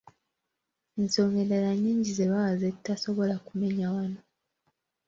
Ensonga endala nnyingi ze bawa ze tutasobola kumenya wano.